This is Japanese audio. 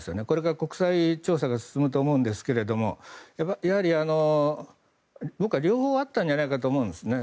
これから国際調査が進むと思うんですが僕は両方あったんじゃないかと思います。